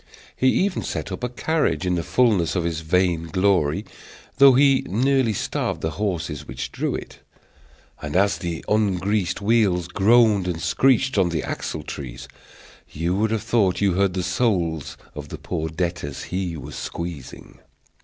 He even set up a carriage in the fulness of his vain glory, though he nearly starved the horses which drew it; and, as the ungreased wheels groaned and screeched on the axle trees, you would have thought you heard the souls of the poor debtors he was squeezing.